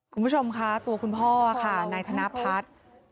คุณผู้ชมคะตัวคุณพ่อค่ะนายธนพัฒน์